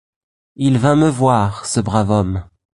Il vint me voir, ce brave homme !